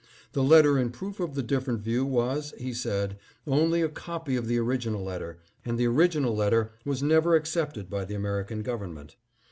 The letter in proof of the different view was, he said, only a copy of the original letter, and the original letter was never accepted by the American Government.